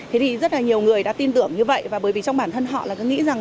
thế thì rất là nhiều người đã tin tưởng như vậy và bởi vì trong bản thân họ là cứ nghĩ rằng